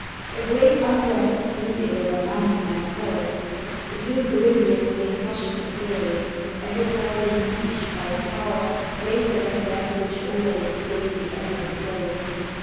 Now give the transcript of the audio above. A great unrest brooded over mountain and forest; the blue Caribbean lay hushed and glaring, as if held in leash by a power greater than that which ordered its daily ebb and flow.